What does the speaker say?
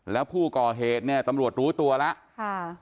แล้วผู้ก่อเหตุเนี่ยตำรวจรู้ตัวแล้วค่ะ